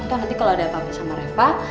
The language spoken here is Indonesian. nanti kalau ada apa apa sama reva